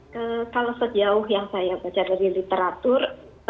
kalau sejauh yang saya baca dari literatur